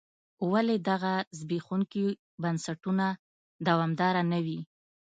ولې دغه زبېښونکي بنسټونه دوامداره نه وي.